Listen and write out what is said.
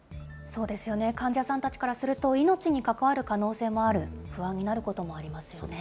そうですよね、患者さんたちからすると、命に関わる可能性もある、不安になることもありますよね。